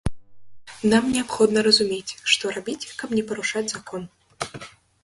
Нам неабходна разумець, што рабіць, каб не парушаць закон.